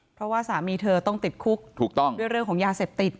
เพราะว่าสามีเธอต้องติดคุกถูกต้องด้วยเรื่องของยาเสพติด